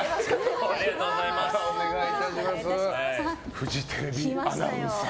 フジテレビアナウンサー。